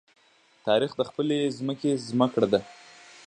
تاریخ د خپلې ځمکې زمکړه ده.